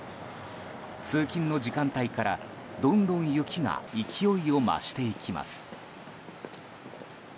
通勤の時間帯から、どんどん雪が勢いを増していきます。